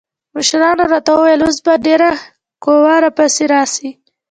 مشرانو راته وويل اوس به ډېره قوا را پسې راسي.